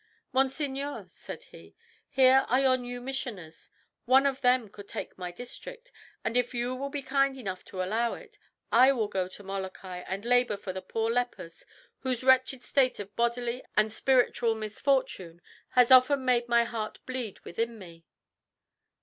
"Monseigneur," said he, "here are your new missioners; one of them could take my district, and if you will be kind enough to allow it, I will go to Molokai and labour for the poor lepers whose wretched state of bodily and spiritual misfortune has often made my heart bleed within me."